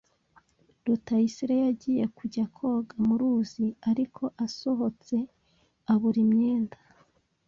Rutayisire yagiye kujya koga mu ruzi, ariko asohotse abura imyenda,